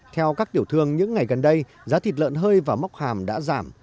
theo các tiểu thương những ngày gần đây giá thịt lợn hơi và móc hàm đã giảm